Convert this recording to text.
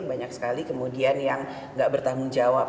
banyak sekali kemudian yang nggak bertanggung jawab